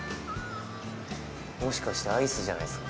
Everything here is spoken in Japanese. もしかしてアイスじゃないですか。